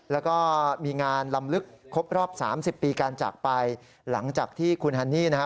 แล้วก็มีงานลำลึกครบรอบสามสิบปีการจากไปหลังจากที่คุณฮันนี่นะฮะ